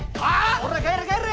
おら帰れ帰れ！